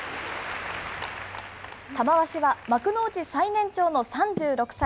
玉鷲は幕内最年長の３６歳。